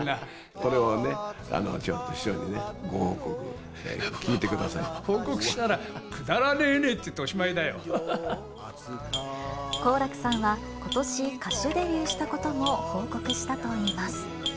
これをね、師匠にご報告、報告したら、くだらねえねっ好楽さんはことし、歌手デビューしたことも報告したといいます。